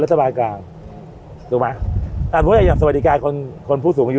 กลางถูกไหมอ่าพูดอย่างสวัสดิการคนผู้สูงอายุ